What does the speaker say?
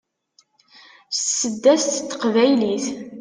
s tseddast n teqbaylit